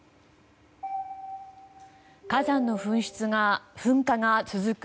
火山の噴火が続く